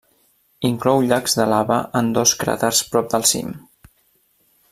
Inclou llacs de lava en dos cràters prop del cim.